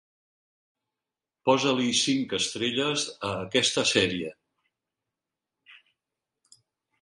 Posa-li cinc estrelles a aquesta sèrie.